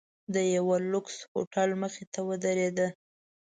د یوه لوکس هوټل مخې ته ودریده.